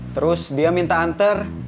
terus dia minta anter